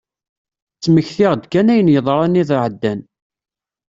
Ttmektiɣ-d kan ayen yeḍran iḍ iɛeddan.